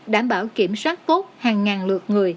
đảm bảo kiểm soát tốt hàng ngàn lượt người